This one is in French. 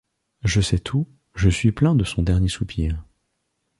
Je sais tout ; je suis plein de son dernier soupir.